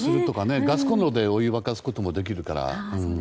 ガスコンロでお湯を沸かすこともできるから。